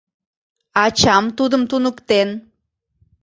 Ачам тудым туныктен.